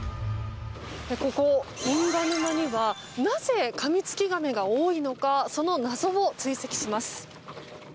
ここ印旛沼にはなぜカミツキガメが多いのかその謎を追跡します。